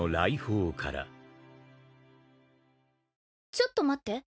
ちょっと待って。